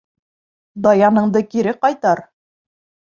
Даяныңды кире ҡайтар.